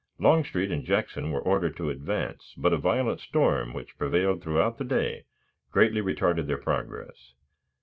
Longstreet and Jackson were ordered to advance, but a violent storm which prevailed throughout the day greatly retarded their progress.